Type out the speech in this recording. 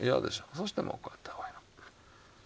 そしてもうこうやって青いの。